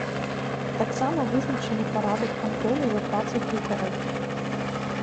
Таксама вызначаны парадак кантролю за працай кухараў.